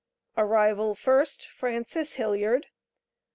Arrival 1st. Frances Hilliard.